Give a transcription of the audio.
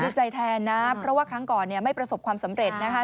ดีใจแทนนะเพราะว่าครั้งก่อนเนี่ยไม่ประสบความสำเร็จนะคะ